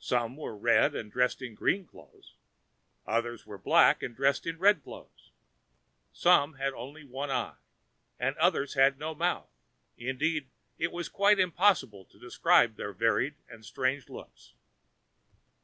Some were red, and dressed in green clothes; others were black, and dressed in red clothes; some had only one eye; others had no mouth; indeed, it is quite impossible to describe their varied and strange looks.